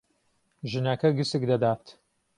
ژنەکە گسک دەدات.